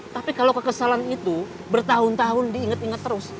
tapi kalau kekesalan itu bertahun tahun diinget inget terus